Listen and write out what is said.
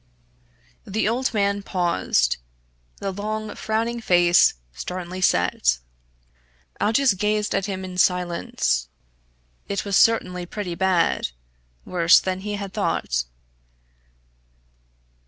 The old man paused, the long frowning face sternly set. Aldous gazed at him in silence. It was certainly pretty bad worse than he had thought.